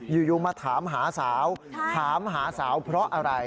อยู่มาถามหาสาวถามหาสาวเพราะอะไร